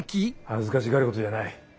恥ずかしがることじゃない。